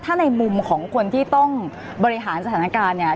ถ้าในมุมของคนที่ต้องบริหารสถานการณ์เนี่ย